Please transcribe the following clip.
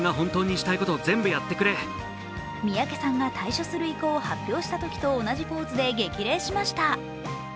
三宅さんが退所する意向を発表したときと同じポーズで激励しました。